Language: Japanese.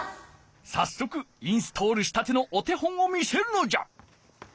さっそくインストールしたてのお手本を見せるのじゃ。